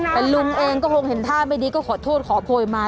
แต่ลุงเองก็คงเห็นท่าไม่ดีก็ขอโทษขอโพยมา